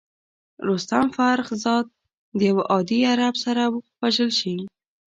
رستم فرخ زاد د یوه عادي عرب سره وژل شي.